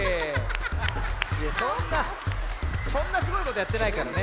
いやそんなそんなすごいことやってないからね。